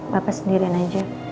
bapak sendirian aja